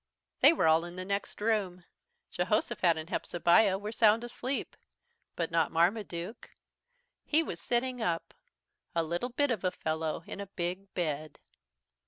They were all in the next room. Jehosophat and Hepzebiah were sound asleep but not Marmaduke. He was sitting up, a little bit of a fellow in a big bed.